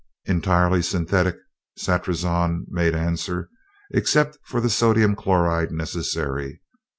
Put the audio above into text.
"Entirely synthetic," Satrazon made answer, "except for the sodium chloride necessary.